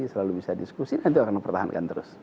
selalu bisa diskusi nanti akan mempertahankan terus